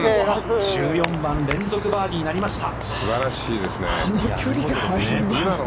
１４番連続バーディーなりました。